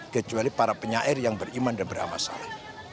kecuali para penyair yang beriman dan beramasalah